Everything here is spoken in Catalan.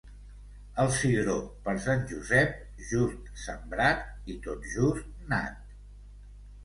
El cigró, per Sant Josep, just sembrat i tot just nat.